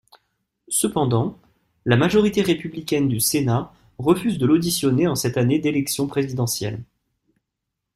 Cependant, la majorité républicaine du Sénat refuse de l'auditionner en cette année d'élection présidentielle.